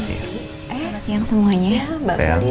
selamat siang semuanya